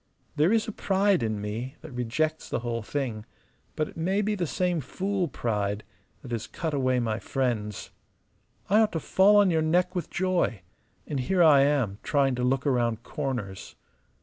There is a pride in me that rejects the whole thing; but it may be the same fool pride that has cut away my friends. I ought to fall on your neck with joy: and here I am trying to look round corners!